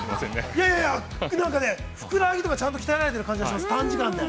◆いやいや、ふくらはぎとかちゃんと鍛えられてる感じがします、短時間で。